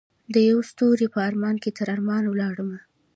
دیوه ستوری په ارمان کې تر ارمان ولاړمه